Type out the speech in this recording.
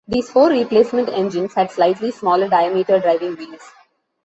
These four replacement engines had slightly smaller diameter driving wheels.